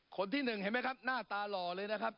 คนที่หนึ่งเห็นไหมครับหน้าตาหล่อเลยนะครับ